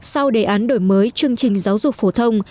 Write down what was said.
sau đề án đổi mới chương trình giáo dục phổ thông